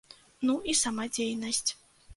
Ну, і сама дзейнасць.